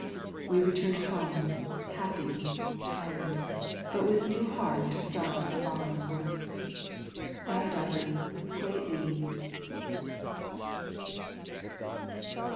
We returned home, happy, tired, but with new heart to start the morrow's work. Thy daughter, Kwei li.